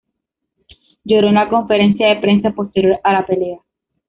Lloró en la conferencia de prensa posterior a la pelea.